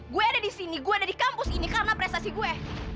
gue ada di sini gue ada di kampus ini karena prestasi gue